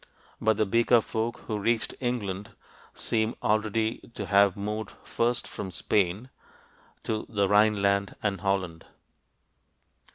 But the Beaker folk who reached England seem already to have moved first from Spain(?) to the Rhineland and Holland.